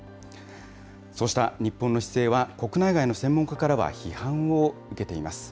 そうした日本の姿勢は、国内外の専門家からは批判を受けています。